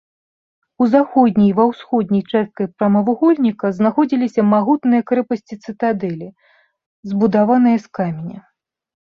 У заходняй і ва ўсходняй частках прамавугольніка знаходзіліся магутныя крэпасці-цытадэлі, збудаваныя з каменя.